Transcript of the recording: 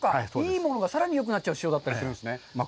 いいものがさらによくなっちゃう塩だったりするんですね。